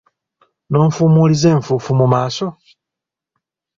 N'onfumuliza enfuufu mu maaso!